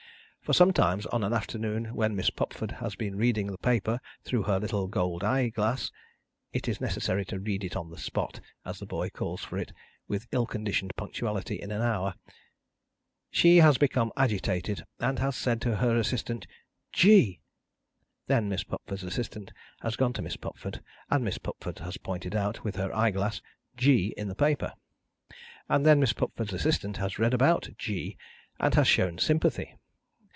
For, sometimes of an afternoon when Miss Pupford has been reading the paper through her little gold eye glass (it is necessary to read it on the spot, as the boy calls for it, with ill conditioned punctuality, in an hour), she has become agitated, and has said to her assistant "G!" Then Miss Pupford's assistant has gone to Miss Pupford, and Miss Pupford has pointed out, with her eye glass, G in the paper, and then Miss Pupford's assistant has read about G, and has shown sympathy.